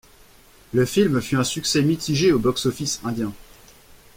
Le film fut un succès mitigé aux box-office indien.